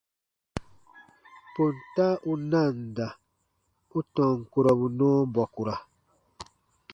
Ponta u nanda u tɔn kurɔbu nɔɔ bɔkura.